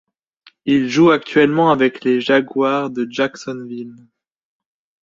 Il joue actuellement avec les Jaguars de Jacksonville.